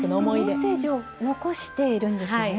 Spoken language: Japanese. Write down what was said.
メッセージを残しているんですね。